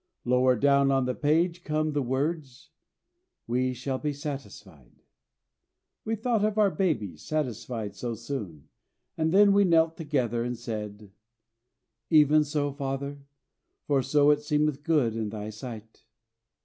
Lower down on the page come the words, "We shall be satisfied." We thought of our babies satisfied so soon; and then we knelt together and said, "Even so, Father: for so it seemeth good in Thy sight."